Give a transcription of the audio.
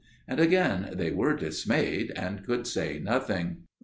And again they were dismayed, and could say nothing.